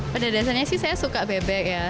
pada dasarnya sih saya suka bebek ya